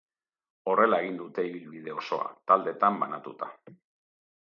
Horrela egin dute ibilbide osoa, taldetan banatuta.